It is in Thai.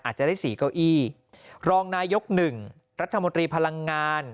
อาจจะได้๔เก้าอี้รองนายก๑รัฐมนตรีพลังงาน